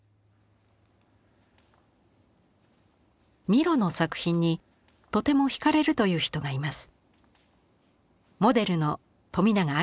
ミロの作品にとてもひかれるという人がいます。